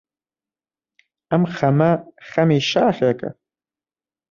ئەم خەمە خەمی شاخێکە،